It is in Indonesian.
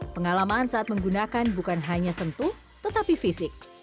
pengalaman saat menggunakan bukan hanya sentuh tetapi fisik